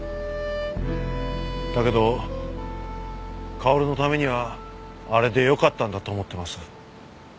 だけど薫のためにはあれでよかったんだと思ってます。